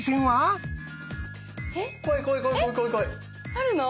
あるの？